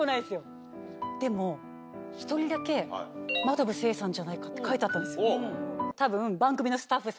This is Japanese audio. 真飛聖さんじゃないかって書いてあったんですよ。